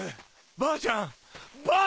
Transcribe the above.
ばあちゃん！